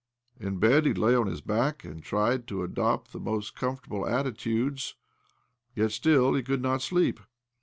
In bed he lay on his back and tried to adopt the most com fortable attitudes ; yet still he could not sleep.